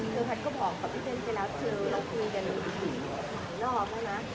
คือแฟร์ก็บอกว่าพี่เบนไปแล้วซึ่งเรากันอีกรอบนะคะ